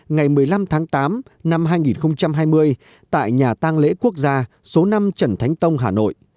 ngày một mươi năm tháng tám năm hai nghìn hai mươi tại nhà tàng lễ quốc gia số năm trần thánh tông hà nội